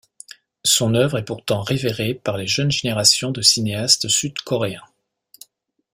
Son œuvre est pourtant révérée par les jeunes générations de cinéastes sud-coréens.